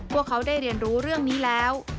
พวกเขาได้เรียนรู้เรื่องนี้แล้ว